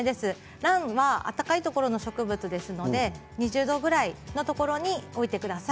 ランは暖かいところの植物ですので、２０度くらいのところに置いてください。